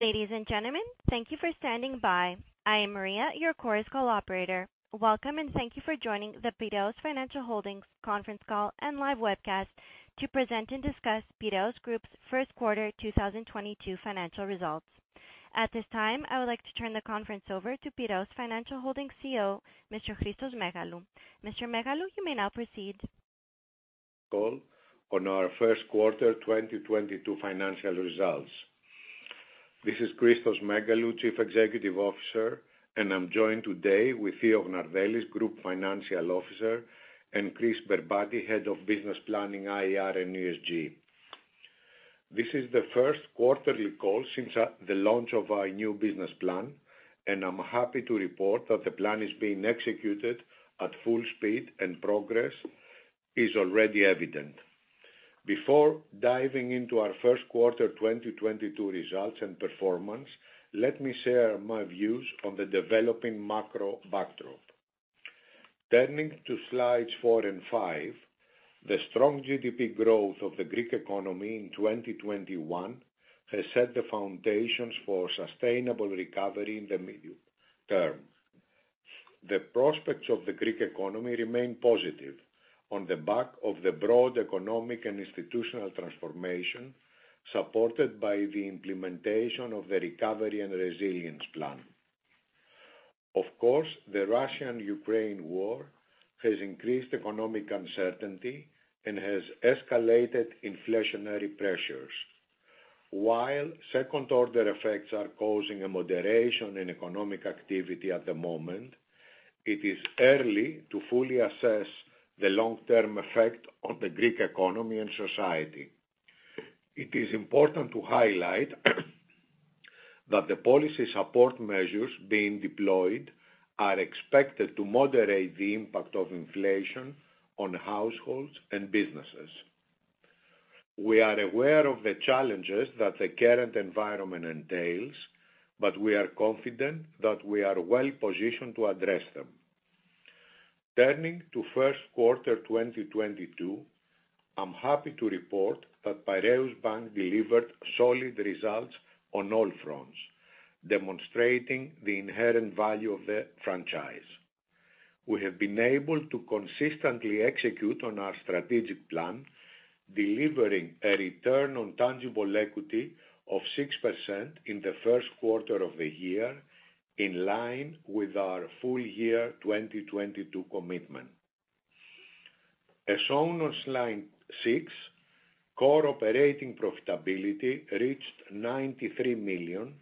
Ladies and gentlemen, thank you for standing by. I am Maria, your Chorus Call operator. Welcome, and thank you for joining the Piraeus Financial Holdings conference call and live webcast to present and discuss Piraeus Group's First Quarter 2022 Financial Results. At this time, I would like to turn the conference over to Piraeus Financial Holdings CEO, Mr. Christos Megalou. Mr. Megalou, you may now proceed. Call on our First Quarter 2022 Financial Results. This is Christos Megalou, Chief Executive Officer, and I'm joined today with Theo Gnardellis, Group CFO, and Chryssanthi Berbati, Head of Business Planning, IR and ESG. This is the first quarterly call since the launch of our new business plan, and I'm happy to report that the plan is being executed at full speed, and progress is already evident. Before diving into our first quarter 2022 results and performance, let me share my views on the developing macro backdrop. Turning to slides four and five, the strong GDP growth of the Greek economy in 2021 has set the foundations for sustainable recovery in the medium term. The prospects of the Greek economy remain positive on the back of the broad economic and institutional transformation, supported by the implementation of the recovery and resilience plan. Of course, the Russian-Ukraine war has increased economic uncertainty and has escalated inflationary pressures. While second-order effects are causing a moderation in economic activity at the moment, it is early to fully assess the long-term effect on the Greek economy and society. It is important to highlight that the policy support measures being deployed are expected to moderate the impact of inflation on households and businesses. We are aware of the challenges that the current environment entails, but we are confident that we are well-positioned to address them. Turning to first quarter 2022, I'm happy to report that Piraeus Bank delivered solid results on all fronts, demonstrating the inherent value of the franchise. We have been able to consistently execute on our strategic plan, delivering a return on tangible equity of 6% in the first quarter of the year, in line with our full year 2022 commitment. As shown on slide 6, core operating profitability reached 93 million,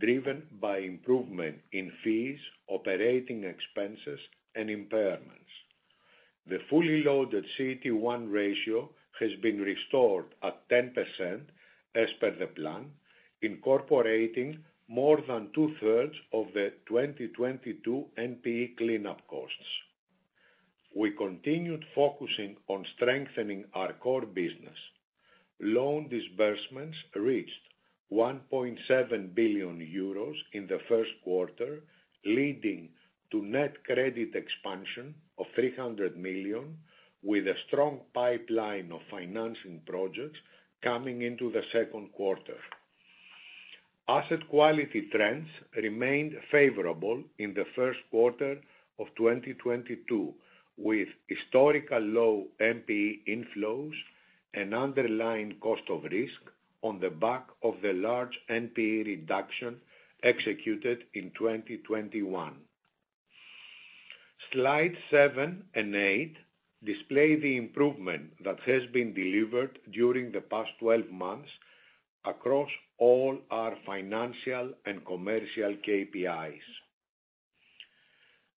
driven by improvement in fees, operating expenses, and impairments. The fully loaded CET1 ratio has been restored at 10% as per the plan, incorporating more than two-thirds of the 2022 NPE cleanup costs. We continued focusing on strengthening our core business. Loan disbursements reached 1.7 billion euros in the first quarter, leading to net credit expansion of 300 million, with a strong pipeline of financing projects coming into the second quarter. Asset quality trends remained favorable in the first quarter of 2022, with historical low NPE inflows and underlying cost of risk on the back of the large NPE reduction executed in 2021. Slide 7 and 8 display the improvement that has been delivered during the past 12 months across all our financial and commercial KPIs.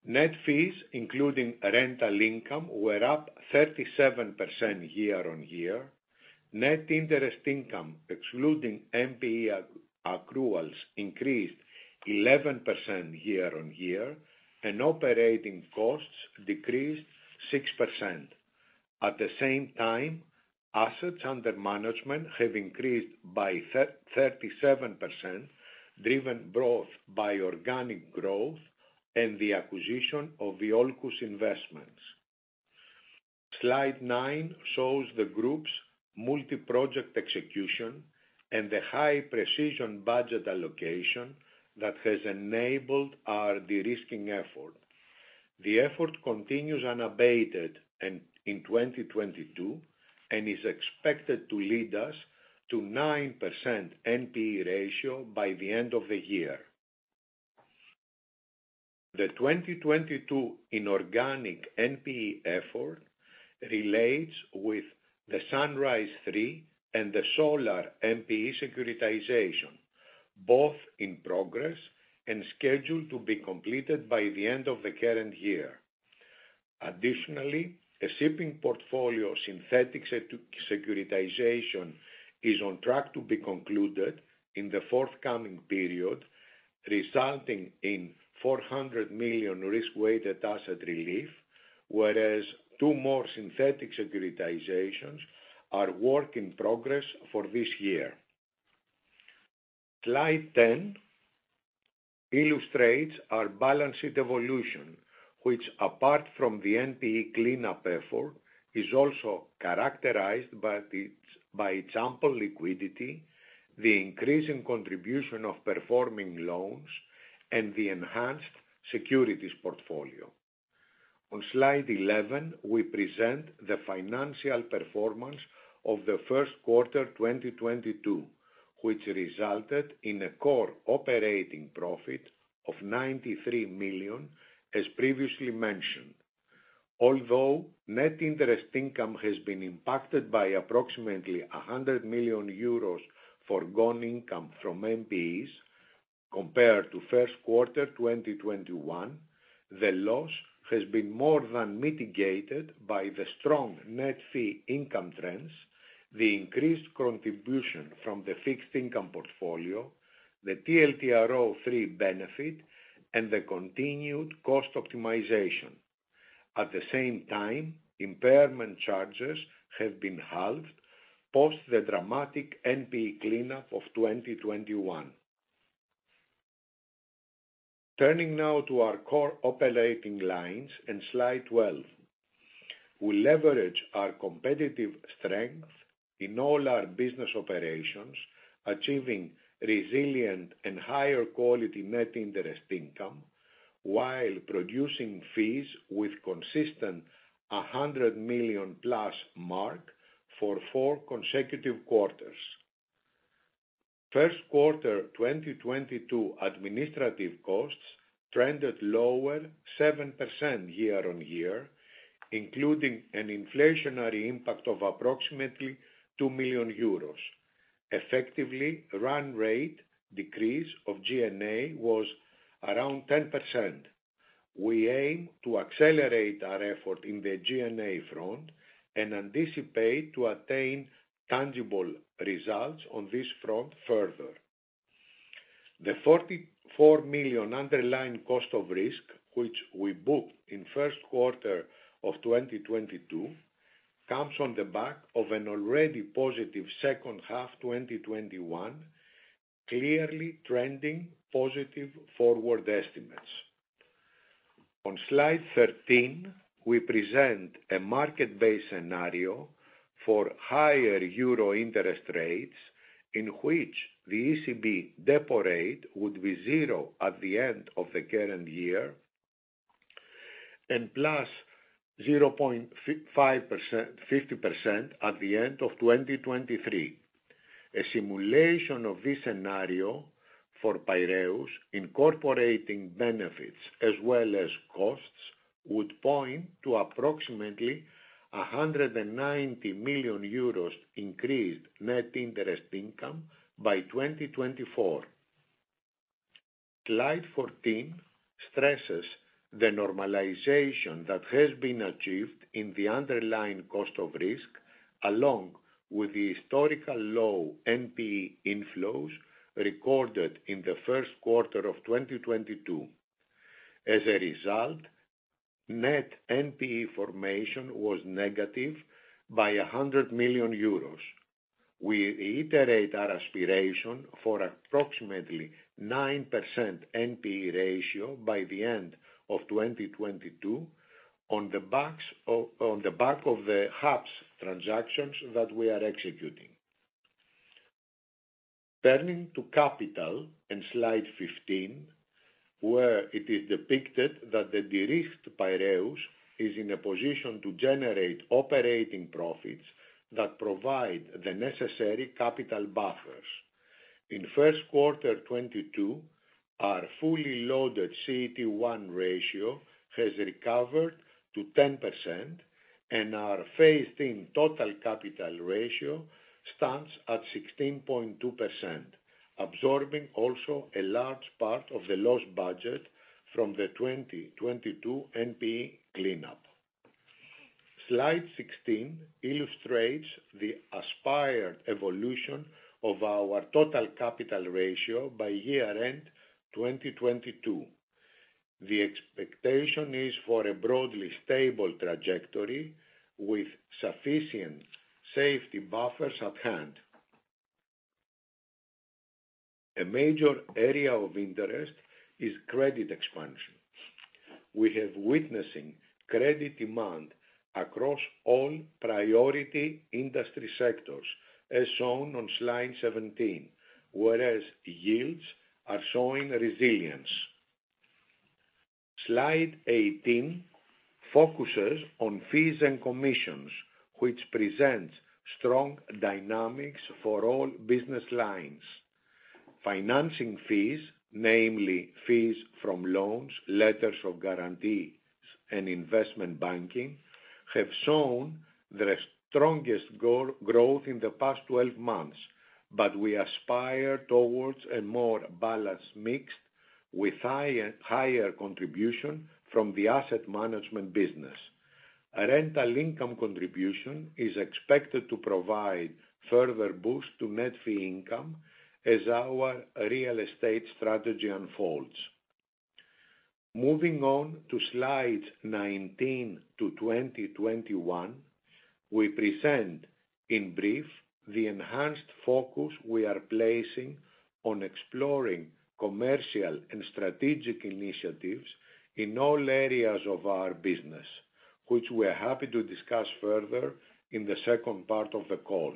Net fees, including rental income, were up 37% year-on-year. Net interest income, excluding NPE accruals, increased 11% year-on-year, and operating costs decreased 6%. At the same time, assets under management have increased by 37%, driven both by organic growth and the acquisition of the Iolcus Investments. Slide 9 shows the group's multi-project execution and the high precision budget allocation that has enabled our de-risking effort. The effort continues unabated in 2022 and is expected to lead us to 9% NPE ratio by the end of the year. The 2022 inorganic NPE effort relates with the Sunrise 3 and the Solar NPE securitization, both in progress and scheduled to be completed by the end of the current year. Additionally, a shipping portfolio synthetic securitization is on track to be concluded in the forthcoming period, resulting in 400 million risk-weighted asset relief, whereas two more synthetic securitizations are works in progress for this year. Slide 10 illustrates our balanced evolution, which apart from the NPE cleanup effort, is also characterized by its ample liquidity, the increasing contribution of performing loans, and the enhanced securities portfolio. On slide 11, we present the financial performance of the first quarter 2022, which resulted in a core operating profit of 93 million, as previously mentioned. Although net interest income has been impacted by approximately 100 million euros foregone income from NPEs compared to first quarter 2021, the loss has been more than mitigated by the strong net fee income trends, the increased contribution from the fixed income portfolio, the TLTRO III benefit, and the continued cost optimization. At the same time, impairment charges have been halved post the dramatic NPE cleanup of 2021. Turning now to our core operating lines in slide 12. We leverage our competitive strength in all our business operations, achieving resilient and higher quality net interest income while producing fees with consistent 100 million-plus mark for 4 consecutive quarters. First quarter 2022 administrative costs trended lower 7% year-on-year, including an inflationary impact of approximately 2 million euros. Effectively, run rate decrease of G&A was around 10%. We aim to accelerate our effort in the G&A front and anticipate to attain tangible results on this front further. The 44 million underlying cost of risk, which we booked in first quarter of 2022, comes on the back of an already positive second half 2021, clearly trending positive forward estimates. On slide 13, we present a market-based scenario for higher euro interest rates, in which the ECB depo rate would be 0 at the end of the current year, and plus 0.5%, 50% at the end of 2023. A simulation of this scenario for Piraeus, incorporating benefits as well as costs, would point to approximately 190 million euros increased net interest income by 2024. Slide 14 stresses the normalization that has been achieved in the underlying cost of risk, along with the historical low NPE inflows recorded in the first quarter of 2022. As a result, net NPE formation was negative by 100 million euros. We reiterate our aspiration for approximately 9% NPE ratio by the end of 2022 on the back of the HAPS transactions that we are executing. Turning to capital in slide 15, where it is depicted that the de-risked Piraeus is in a position to generate operating profits that provide the necessary capital buffers. In first quarter 2022, our fully loaded CET1 ratio has recovered to 10%, and our phased-in total capital ratio stands at 16.2%, absorbing also a large part of the loss budget from the 2022 NPE cleanup. Slide 16 illustrates the aspired evolution of our total capital ratio by year-end 2022. The expectation is for a broadly stable trajectory with sufficient safety buffers at hand. A major area of interest is credit expansion. We are witnessing credit demand across all priority industry sectors, as shown on slide 17, whereas yields are showing resilience. Slide 18 focuses on fees and commissions, which present strong dynamics for all business lines. Financing fees, namely fees from loans, letters of guarantees, and investment banking, have shown the strongest growth in the past 12 months, but we aspire towards a more balanced mix with higher contribution from the asset management business. A rental income contribution is expected to provide further boost to net fee income as our real estate strategy unfolds. Moving on to slides 19-21, we present in brief the enhanced focus we are placing on exploring commercial and strategic initiatives in all areas of our business, which we are happy to discuss further in the second part of the call.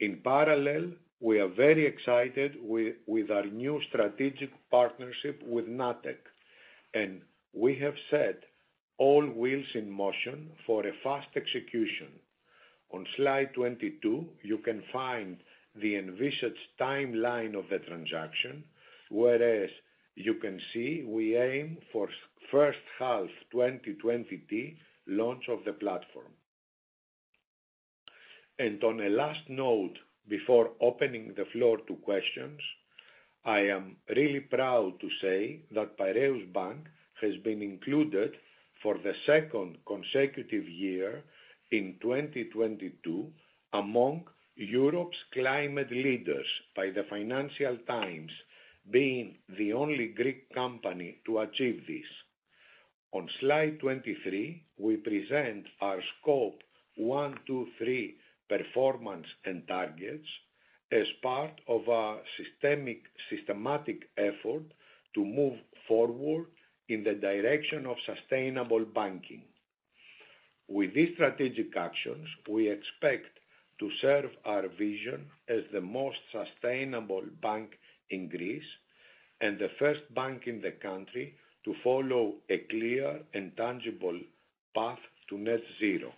In parallel, we are very excited with our new strategic partnership with Natech, and we have set all wheels in motion for a fast execution. On slide 22, you can find the envisioned timeline of the transaction, whereas you can see we aim for first half 2020 date launch of the platform. On a last note, before opening the floor to questions, I am really proud to say that Piraeus Bank has been included for the second consecutive year in 2022 among Europe's climate leaders by the Financial Times, being the only Greek company to achieve this. On slide 23, we present our scope 1, 2, 3 performance and targets as part of our systematic effort to move forward in the direction of sustainable banking. With these strategic actions, we expect to serve our vision as the most sustainable bank in Greece and the first bank in the country to follow a clear and tangible path to net zero.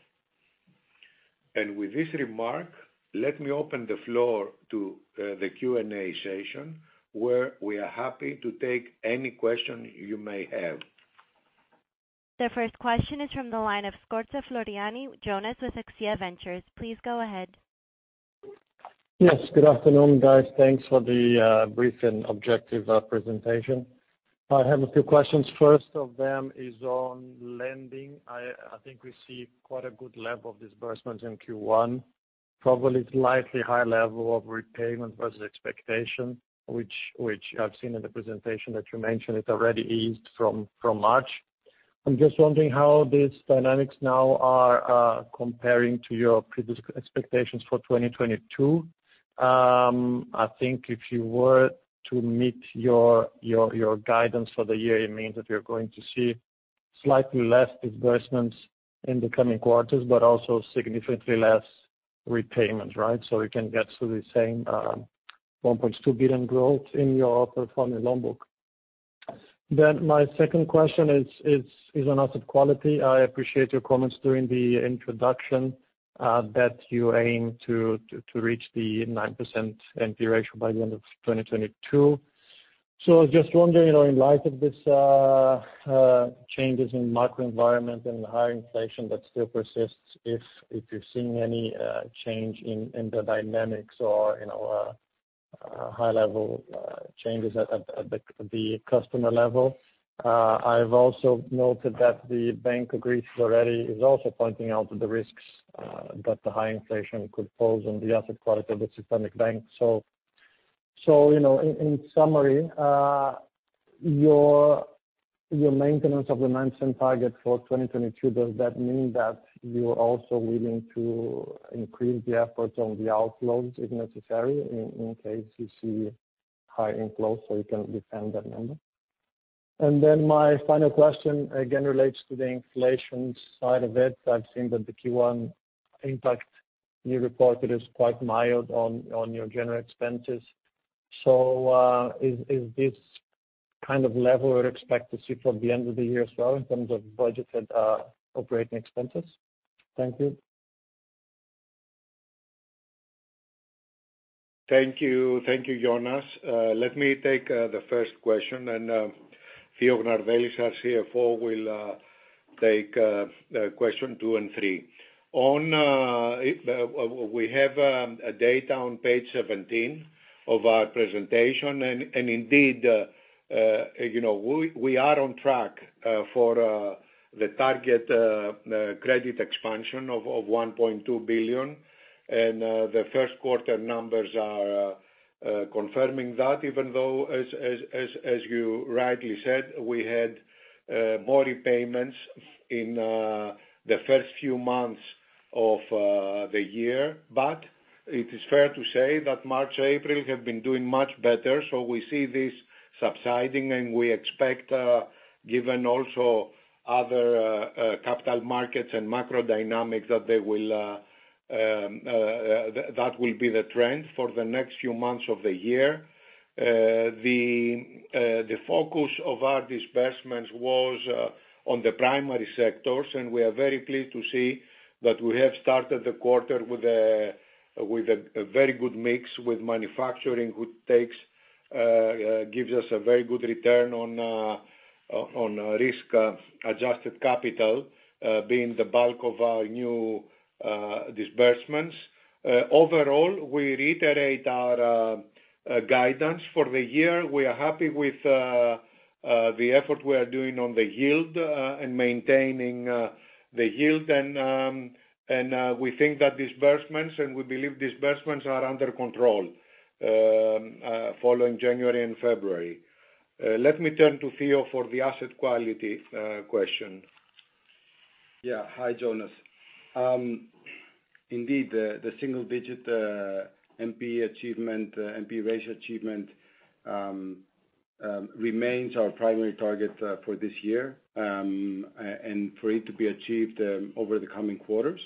With this remark, let me open the floor to the Q&A session, where we are happy to take any question you may have. The first question is from the line of Scorza Floriani Jonas with AXIA Ventures. Please go ahead. Yes, good afternoon, guys. Thanks for the brief and objective presentation. I have a few questions. First of them is on lending. I think we see quite a good level of disbursements in Q1, probably slightly high level of repayment versus expectation, which I've seen in the presentation that you mentioned. It already eased from March. I'm just wondering how these dynamics now are comparing to your previous expectations for 2022. I think if you were to meet your guidance for the year, it means that you're going to see slightly less disbursements in the coming quarters but also significantly less repayments, right? We can get to the same 1.2 billion growth in your performing loan book. My second question is on asset quality. I appreciate your comments during the introduction that you aim to reach the 9% NPE ratio by the end of 2022. I was just wondering, you know, in light of these changes in macro environment and higher inflation that still persists, if you're seeing any change in the dynamics or, you know, high level changes at the customer level. I've also noted that the Bank of Greece already is also pointing out the risks that the high inflation could pose on the asset quality of the systemic bank. You know, in summary, your maintenance of the mentioned target for 2022, does that mean that you're also willing to increase the efforts on the outflows if necessary in case you see high inflows so you can defend that number? Then my final question again relates to the inflation side of it. I've seen that the Q1 impact you reported is quite mild on your general expenses. Is this kind of level we'd expect to see from the end of the year as well in terms of budgeted operating expenses? Thank you. Thank you. Thank you, Jonas. Let me take the first question, and Theo Gnardellis, our CFO, will take question two and three. We have data on page 17 of our presentation. Indeed, you know, we are on track for the target credit expansion of 1.2 billion. The first quarter numbers are confirming that, even though, as you rightly said, we had more repayments in the first few months of the year. It is fair to say that March, April have been doing much better. We see this subsiding, and we expect, given also other capital markets and macro dynamics, that will be the trend for the next few months of the year. The focus of our disbursements was on the primary sectors, and we are very pleased to see that we have started the quarter with a very good mix with manufacturing, who gives us a very good return on risk adjusted capital being the bulk of our new disbursements. Overall, we reiterate our guidance for the year. We are happy with the effort we are doing on the yield and maintaining the yield. We believe disbursements are under control following January and February. Let me turn to Theo for the asset quality question. Yeah. Hi, Jonas. Indeed, the single digit NPE achievement, NPE ratio achievement, remains our primary target for this year, and for it to be achieved over the coming quarters.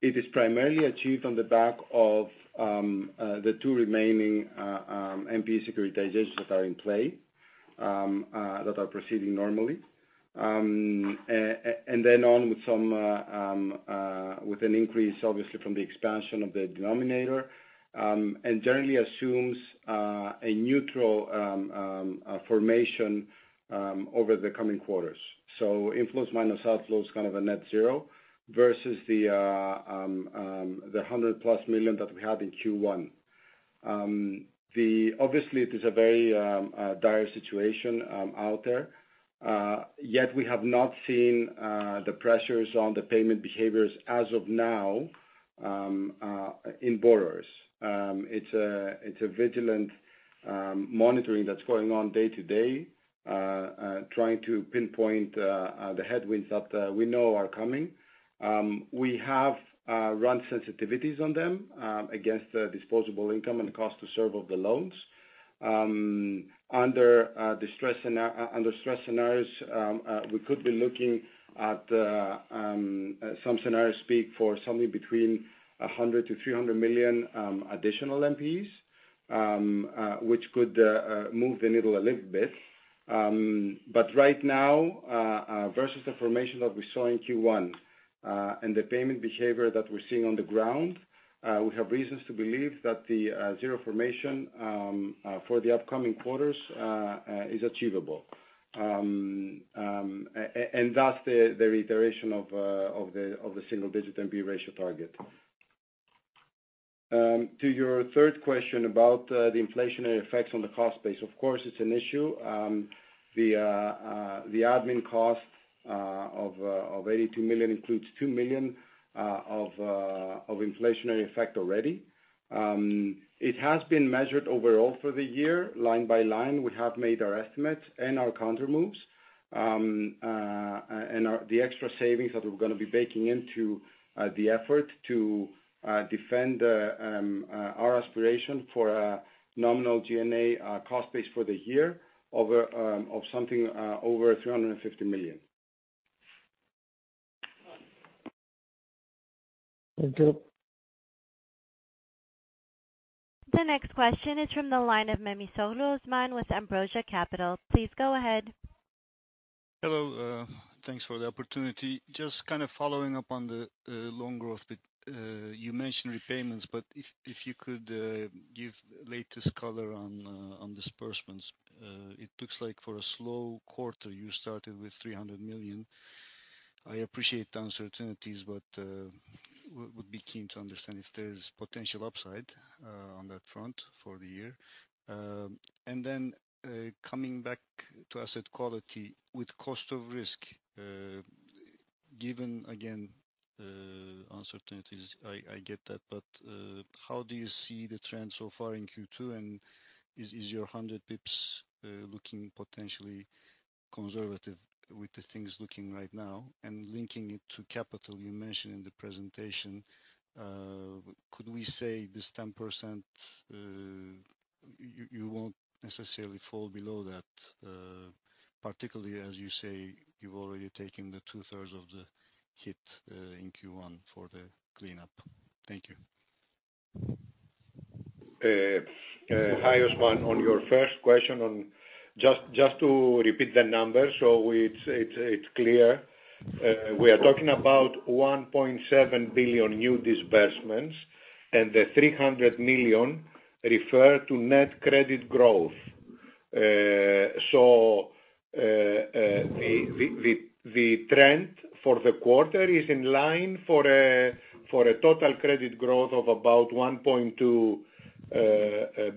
It is primarily achieved on the back of the two remaining NPE securitizations that are in play, that are proceeding normally. And then with an increase, obviously from the expansion of the denominator, and generally assumes a neutral formation over the coming quarters. Inflows minus outflows, kind of a net zero versus the 100+ million that we had in Q1. The Obviously, it is a very dire situation out there, yet we have not seen the pressures on the payment behaviors as of now in borrowers. It's a vigilant monitoring that's going on day to day, trying to pinpoint the headwinds that we know are coming. We have run sensitivities on them against the disposable income and cost to serve of the loans. Under stress scenarios, we could be looking at some scenarios speak for something between 100 million-300 million additional NPEs, which could move the needle a little bit. Right now, versus the formation that we saw in Q1, and the payment behavior that we're seeing on the ground, we have reasons to believe that the zero formation for the upcoming quarters is achievable. That's the reiteration of the single digit NPE ratio target. To your third question about the inflationary effects on the cost base. Of course, it's an issue. The admin costs of 82 million includes 2 million of inflationary effect already. It has been measured overall for the year line by line. We have made our estimates and our counter moves. Our... The extra savings that we're gonna be baking into the effort to defend our aspiration for a nominal G&A cost base for the year of something over EUR 350 million. Thank you. The next question is from the line of Memisoglu Osman with Ambrosia Capital. Please go ahead. Hello. Thanks for the opportunity. Just kind of following up on the loan growth. You mentioned repayments, but if you could give latest color on disbursements. It looks like for a slow quarter, you started with 300 million. I appreciate the uncertainties, but would be keen to understand if there's potential upside on that front for the year. Coming back to asset quality with cost of risk, given again uncertainties, I get that, but how do you see the trend so far in Q2? Is your 100 BPS looking potentially conservative with the things looking right now? Linking it to capital, you mentioned in the presentation, could we say this 10%, you won't necessarily fall below that, particularly as you say you've already taken the two-thirds of the hit, in Q1 for the cleanup? Thank you. Hi, Osman. On your first question. Just to repeat the numbers, so it's clear. We are talking about 1.7 billion new disbursements, and the 300 million refer to net credit growth. The trend for the quarter is in line for a total credit growth of about 1.2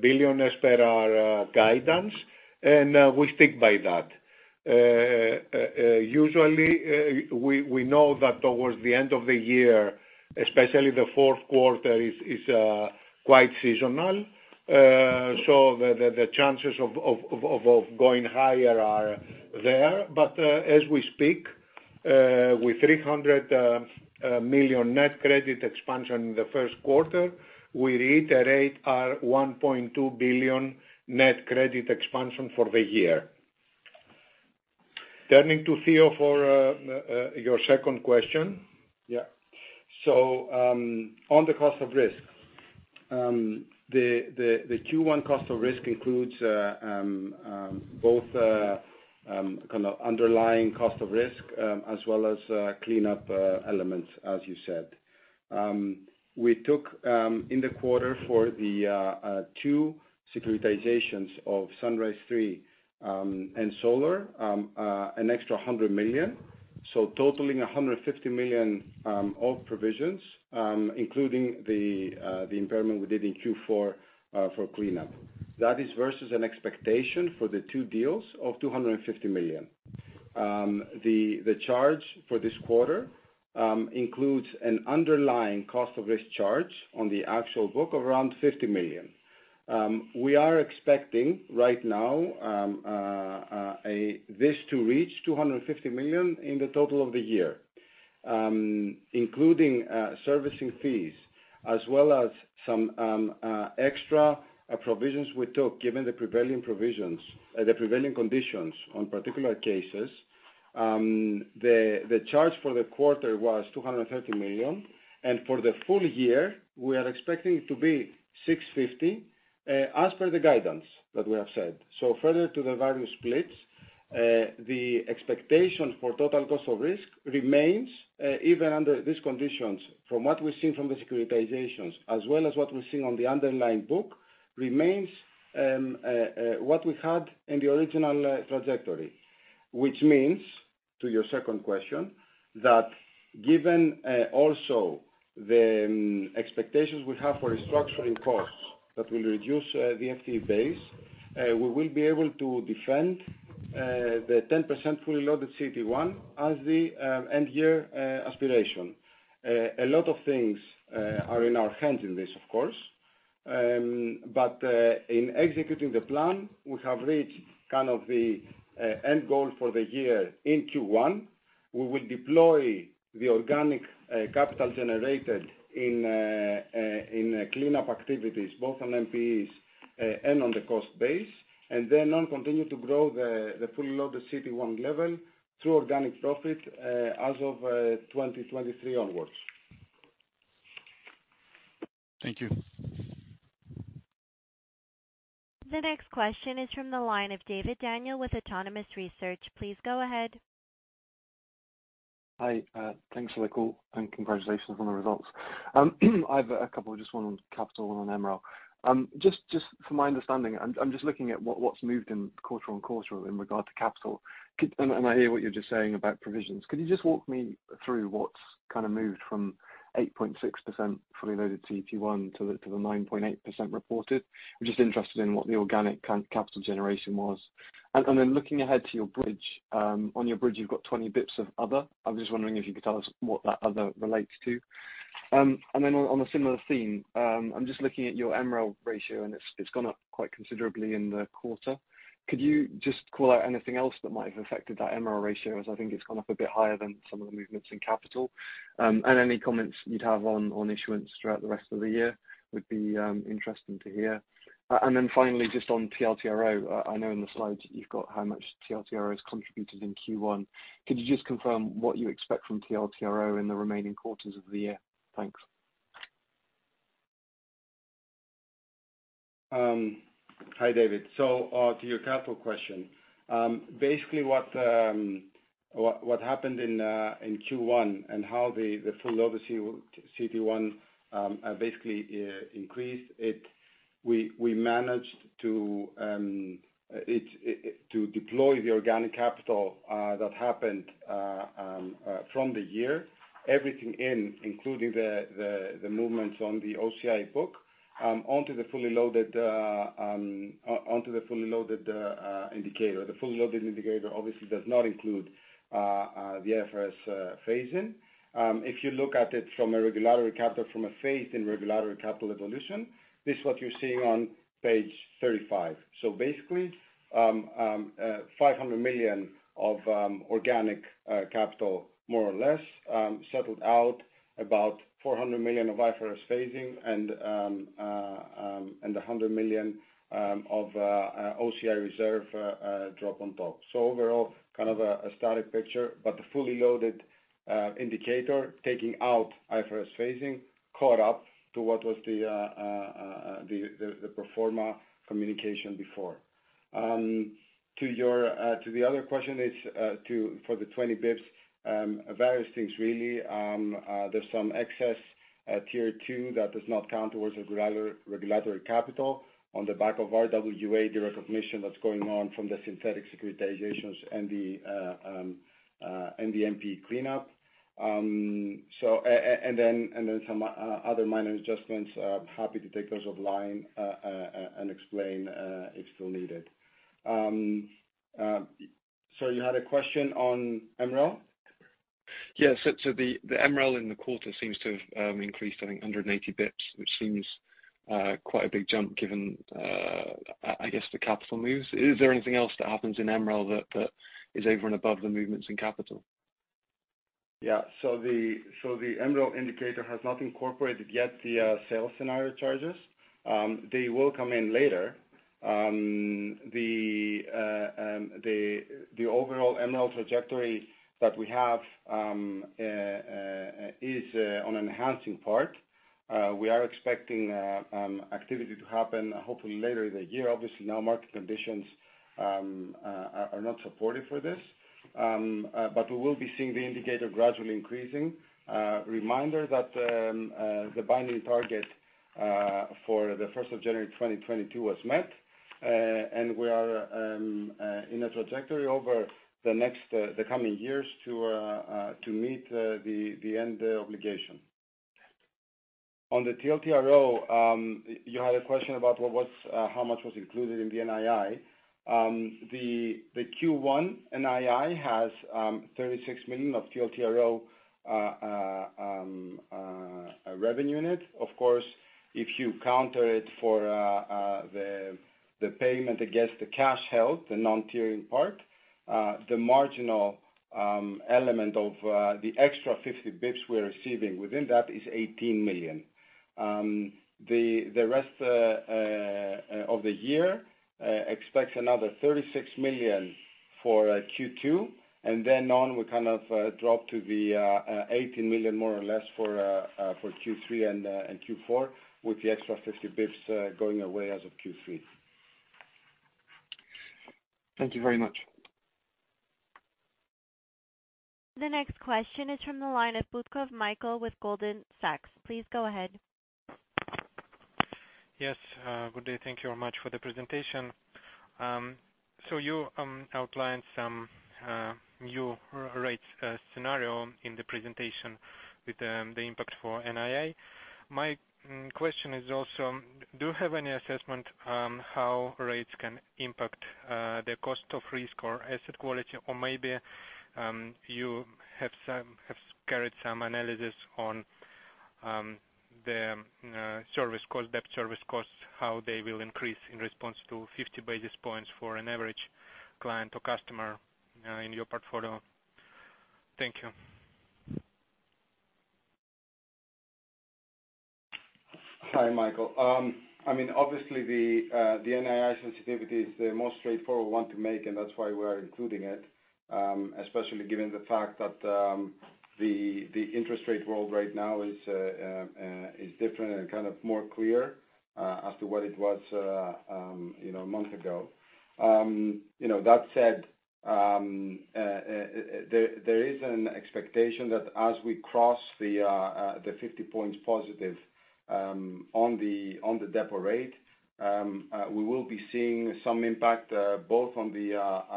billion as per our guidance. Usually, we know that towards the end of the year, especially the fourth quarter is quite seasonal. The chances of going higher are there. As we speak, with 300 million net credit expansion in the first quarter, we reiterate our 1.2 billion net credit expansion for the year. Turning to Theo for your second question. On the cost of risk, the Q1 cost of risk includes both kind of underlying cost of risk as well as cleanup elements, as you said. We took in the quarter for the two securitizations of Sunrise Three and Solar an extra 100 million, so totaling 150 million of provisions, including the impairment we did in Q4 for cleanup. That is versus an expectation for the two deals of 250 million. The charge for this quarter includes an underlying cost of risk charge on the actual book of around 50 million. We are expecting right now this to reach 250 million in the total of the year, including servicing fees as well as some extra provisions we took, given the prevailing conditions on particular cases. The charge for the quarter was 230 million, and for the full year, we are expecting it to be 650 million, as per the guidance that we have said. Further to the value splits, the expectation for total cost of risk remains, even under these conditions, from what we're seeing from the securitizations as well as what we're seeing on the underlying book, remains what we had in the original trajectory. Which means, to your second question, that given also the expectations we have for restructuring costs that will reduce the FTE base, we will be able to defend the 10% fully loaded CET1 as the end-year aspiration. A lot of things are in our hands in this, of course. In executing the plan, we have reached kind of the end goal for the year in Q1. We will deploy the organic capital generated in cleanup activities, both on NPEs and on the cost base, and then continue to grow the fully loaded CET1 level through organic profit as of 2023 onwards. Thank you. The next question is from the line of David Daniel with Autonomous Research. Please go ahead. Hi. Thanks for the call, and congratulations on the results. I've a couple, just one on capital and on MREL. Just for my understanding, I'm just looking at what's moved quarter-on-quarter in regard to capital. I hear what you're just saying about provisions. Could you just walk me through what's kinda moved from 8.6% fully loaded CET1 to the 9.8% reported? I'm just interested in what the organic capital generation was. Then looking ahead to your bridge, on your bridge, you've got 20 bps of other. I was just wondering if you could tell us what that other relates to. Then on a similar theme, I'm just looking at your MREL ratio, and it's gone up quite considerably in the quarter. Could you just call out anything else that might have affected that MREL ratio, as I think it's gone up a bit higher than some of the movements in capital? Any comments you'd have on issuance throughout the rest of the year would be interesting to hear. Finally, just on TLTRO. I know in the slides you've got how much TLTRO has contributed in Q1. Could you just confirm what you expect from TLTRO in the remaining quarters of the year? Thanks. Hi, David. To your capital question, basically what happened in Q1 and how the fully loaded CET1 basically increased it, we managed to deploy the organic capital that happened from the year, everything in, including the movements on the OCI book, onto the fully loaded indicator. The fully loaded indicator obviously does not include the IFRS phase-in. If you look at it from a regulatory capital, from a phase-in regulatory capital evolution, this is what you're seeing on page 35. Basically, 500 million of organic capital, more or less, settled out about 400 million of IFRS phase-in and 100 million of OCI reserve drop on top. Overall, kind of a static picture, but the fully loaded indicator, taking out IFRS phase-in, caught up to what was the pro forma communication before. To your other question, as for the 20 bps, various things really. There's some excess tier two that does not count towards regulatory capital on the back of RWA, the recognition that's going on from the synthetic securitizations and the NPE cleanup. And then some other minor adjustments. Happy to take those offline, and explain, if still needed. You had a question on MREL? The MREL in the quarter seems to have increased, I think, 180 bps, which seems quite a big jump given I guess the capital moves. Is there anything else that happens in MREL that is over and above the movements in capital? Yeah. The MREL indicator has not incorporated yet the sale scenario charges. They will come in later. The overall MREL trajectory that we have is on an enhancing part. We are expecting activity to happen hopefully later in the year. Obviously, now market conditions are not supportive for this. We will be seeing the indicator gradually increasing. Reminder that the binding target for January 1, 2022 was met, and we are in a trajectory over the next, the coming years to meet the end obligation. On the TLTRO, you had a question about how much was included in the NII. The Q1 NII has 36 million of TLTRO, a revenue unit. Of course, if you account for the payment against the cash held, the non-tiering part, the marginal element of the extra 50 basis points we're receiving within that is 18 million. The rest of the year expects another 36 million for Q2, and then on, we kind of drop to the 18 million more or less for Q3 and Q4, with the extra 50 basis points going away as of Q3. Thank you very much. The next question is from the line of Butkov Mikhail with Goldman Sachs. Please go ahead. Yes, good day. Thank you very much for the presentation. You outlined some new rate scenario in the presentation with the impact for NII. My question is also, do you have any assessment on how rates can impact the cost of risk or asset quality? Or maybe you have carried some analysis on the servicing cost, debt service costs, how they will increase in response to 50 basis points for an average client or customer in your portfolio? Thank you. Hi, Mikhail. I mean, obviously the NII sensitivity is the most straightforward one to make, and that's why we are including it, especially given the fact that the interest rate world right now is different and kind of more clear as to what it was, you know, a month ago. You know, that said, there is an expectation that as we cross the 50 points positive on the depo rate we will be seeing some impact both on the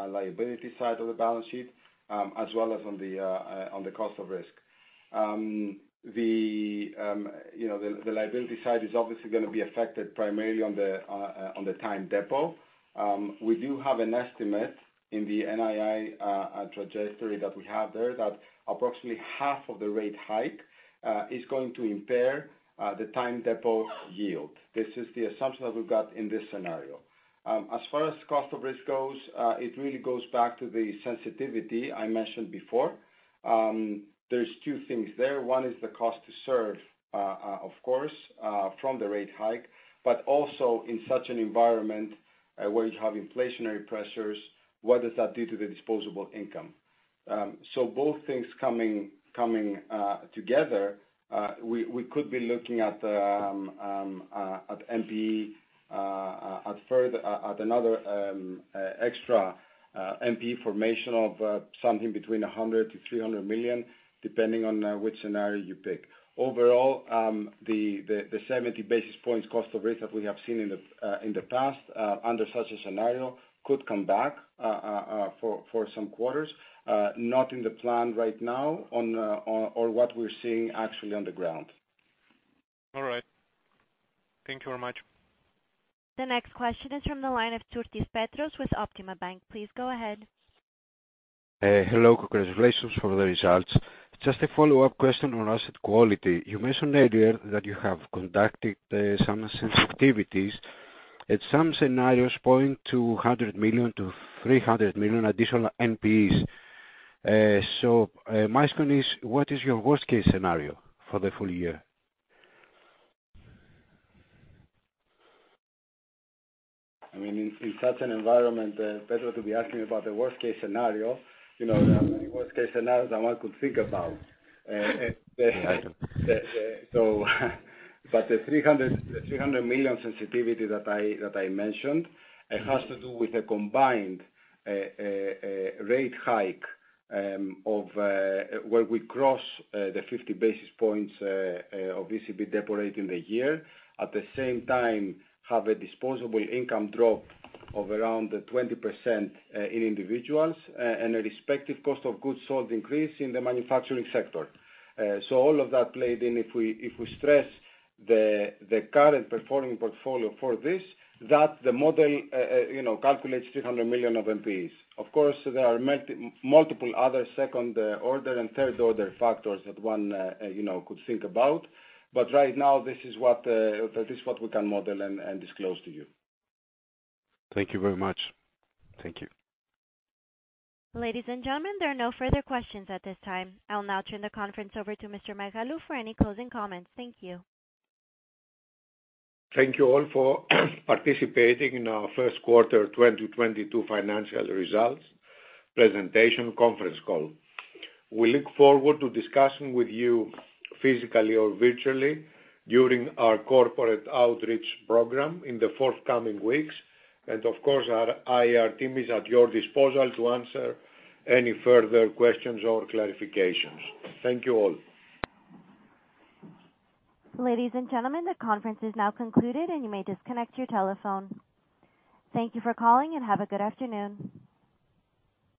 liability side of the balance sheet as well as on the cost of risk. You know, the liability side is obviously gonna be affected primarily on the time depo. We do have an estimate in the NII trajectory that we have there, that approximately half of the rate hike is going to impair the time depo yield. This is the assumption that we've got in this scenario. As far as cost of risk goes, it really goes back to the sensitivity I mentioned before. There's two things there. One is the cost to serve, of course, from the rate hike, but also in such an environment, where you have inflationary pressures, what does that do to the disposable income? Both things coming together, we could be looking at another extra NPE formation of something between 100 million-300 million, depending on which scenario you pick. Overall, the 70 basis points cost of risk that we have seen in the past under such a scenario could come back for some quarters, not in the plan right now, or what we're seeing actually on the ground. All right. Thank you very much. The next question is from the line of Tsourtis Petros with Optima Bank. Please go ahead. Hello. Congratulations for the results. Just a follow-up question on asset quality. You mentioned earlier that you have conducted some sensitivity activities, and some scenarios point to 100 million-300 million additional NPEs. My question is, what is your worst case scenario for the full year? I mean, in such an environment, Petros, to be asking about the worst-case scenario, you know, there are many worst-case scenarios that one could think about. Yeah, I do. The 300 million sensitivity that I mentioned, it has to do with a combined rate hike of where we cross the 50 basis points obviously by the depo rate in the year. At the same time, have a disposable income drop of around 20% in individuals and a respective cost of goods sold increase in the manufacturing sector. All of that played in, if we stress the current performing portfolio for this, that the model you know calculates 300 million of NPEs. Of course, there are multiple other second order and third order factors that one you know could think about. Right now, this is what we can model and disclose to you. Thank you very much. Thank you. Ladies and gentlemen, there are no further questions at this time. I'll now turn the conference over to Mr. Megalou for any closing comments. Thank you. Thank you all for participating in our First Quarter 2022 Financial Results Presentation Conference Call. We look forward to discussing with you physically or virtually during our corporate outreach program in the forthcoming weeks. Of course, our IR team is at your disposal to answer any further questions or clarifications. Thank you all. Ladies and gentlemen, the conference is now concluded, and you may disconnect your telephone. Thank you for calling, and have a good afternoon.